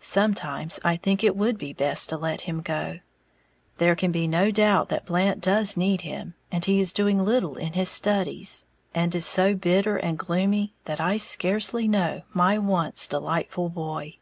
Sometimes I think it would be best to let him go, there can be no doubt that Blant does need him, and he is doing little in his studies, and is so bitter and gloomy that I scarcely know my once delightful boy.